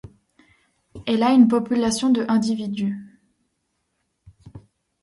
Elle a une population de individus.